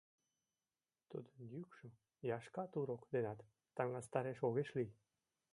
Тудын йӱкшым Яшка-Турок денат таҥастараш огеш лий.